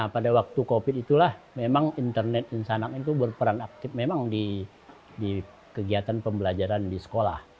pada waktu covid itulah memang internet insanak itu berperan aktif memang di kegiatan pembelajaran di sekolah